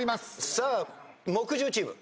さあ木１０チーム。